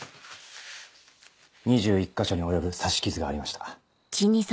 ２１か所に及ぶ刺し傷がありました。